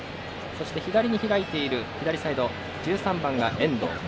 左に開いている左サイド、１３番が遠藤。